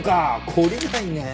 懲りないねえ。